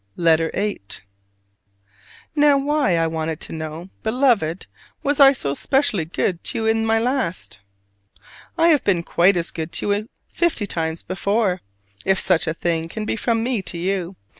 LETTER VIII. Now why, I want to know, Beloved, was I so specially "good" to you in my last? I have been quite as good to you fifty times before, if such a thing can be from me to you.